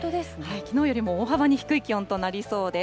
きのうよりも大幅に低い気温となりそうです。